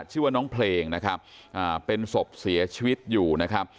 ชื่อว่าน้องเพลงนะครับอ่าเป็นศพเสียชีวิตอยู่นะครับ